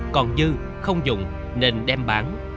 còn dư không dùng nên đem bán